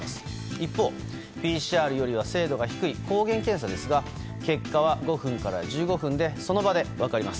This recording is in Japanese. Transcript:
一方、ＰＣＲよりは精度が低い抗原検査ですが結果は５分から１５分でその場で分かります。